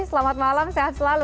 selamat malam sehat selalu